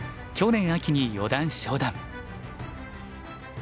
去年秋に四段昇段。